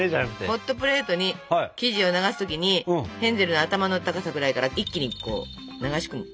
ホットプレートに生地を流す時にヘンゼルの頭の高さくらいから一気に流し込む。